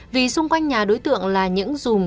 vì xung quanh nhà đối tượng là những dùm